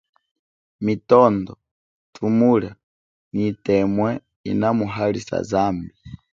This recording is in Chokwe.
Mitondo, tshumulia, nyi itemwe ina muhalisa zambi.